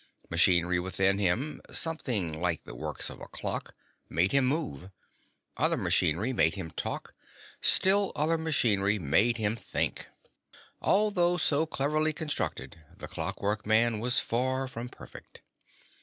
Machinery within him, something like the works of a clock, made him move; other machinery made him talk; still other machinery made him think. Although so cleverly constructed, the Clockwork Man was far from perfect.